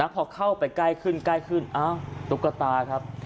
พอเข้าไปใกล้ขึ้นตุ๊กตาครับ